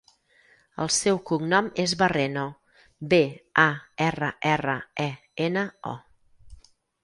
El seu cognom és Barreno: be, a, erra, erra, e, ena, o.